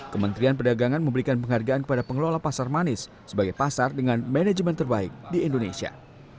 kementerian perdagangan memberikan penghargaan kepada pengelola pasar manis sebagai pasar dengan manajemen terbaik di indonesia